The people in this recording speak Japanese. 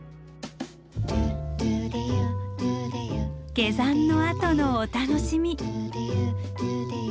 下山のあとのお楽しみ。